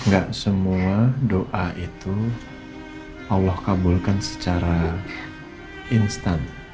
gak semua doa itu allah kabulkan secara instan